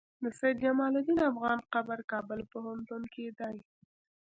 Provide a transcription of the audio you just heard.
د سيد جمال الدين افغان قبر کابل پوهنتون کی دی